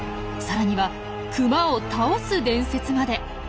さらにはクマを倒す伝説まで。